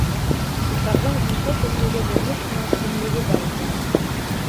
Утарҙың мунса төнлөгө ҙурлыҡ ҡына төнлөгө бар икән.